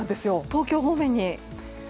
東京方面に。